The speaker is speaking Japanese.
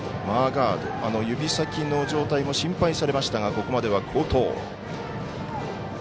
マーガード、指先の状態も心配されましたがここまでは好投。